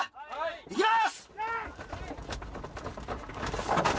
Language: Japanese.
いきます！